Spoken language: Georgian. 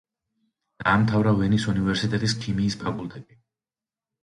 დაამთავრა ვენის უნივერსიტეტის ქიმიის ფაკულტეტი.